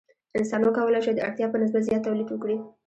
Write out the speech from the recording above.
انسان وکولی شوای د اړتیا په نسبت زیات تولید وکړي.